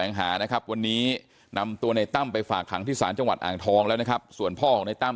น้องจ้อยนั่งก้มหน้าไม่มีใครรู้ข่าวว่าน้องจ้อยเสียชีวิตไปแล้ว